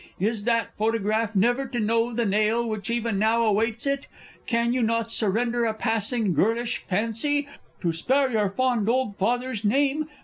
Is that photograph never to know the nail which even now awaits it? Can you not surrender a passing girlish fancy, to spare your fond old father's fame?